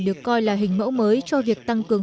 được coi là hình mẫu mới cho việc tăng cường